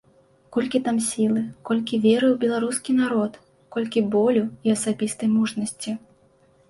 Колькі там сілы, колькі веры ў беларускай народ, колькі болю і асабістай мужнасці.